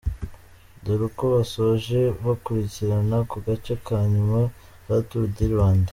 Dore uko basoje bakurikirana ku gace ka nyuma ka Tour du Rwanda